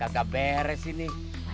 aduh baik baik saja